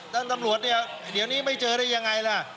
ตำรวจเนี่ยเดี๋ยวนี้ไม่เจอได้ยังไงล่ะ